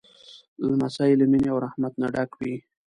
لمسی له مینې او رحمت نه ډک وي.